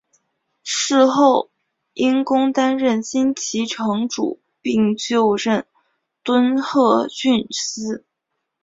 事后因公担任金崎城主并就任敦贺郡司。